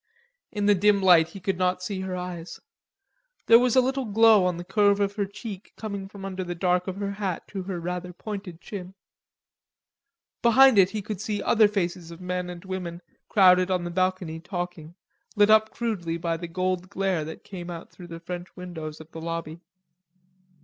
In the dim light he could not see her eyes. There was a little glow on the curve of her cheek coming from under the dark of her hat to her rather pointed chin. Behind it he could see other faces of men and women crowded on the balcony talking, lit up crudely by the gold glare that came out through the French windows from the lobby.